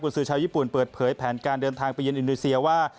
สื่อชาวญี่ปุ่นเปิดเผยแผนการเดินทางไปเย็นอินโดนีเซียว่า